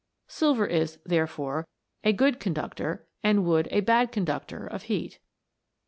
Silver is, therefore, a good conductor and wood a bad con ductor of heat.